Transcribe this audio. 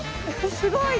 すごい！